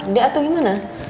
dia atau gimana